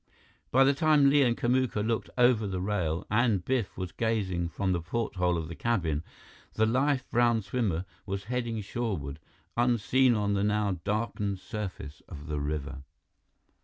By the time Li and Kamuka looked over the rail and Biff was gazing from the porthole of the cabin, the lithe brown swimmer was heading shoreward, unseen on the now darkened surface of the river.